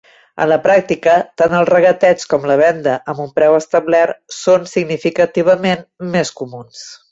En la pràctica, tant el regateig com la venda amb un preu establert són significativament més comuns.